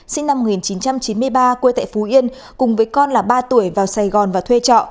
sinh năm một nghìn chín trăm chín mươi ba quê tại phú yên cùng với con là ba tuổi vào sài gòn và thuê trọ